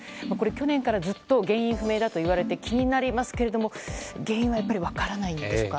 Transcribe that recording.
去年からずっと原因不明だといわれていて気になりますけれども原因は分からないんでしょうか。